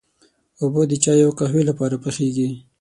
اوبه د چايو او قهوې لپاره پخېږي.